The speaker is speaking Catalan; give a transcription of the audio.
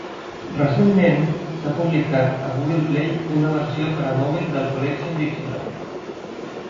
Recentment, s'ha publicar a Google Play una versió per a mòbil del Collocation Dictionary.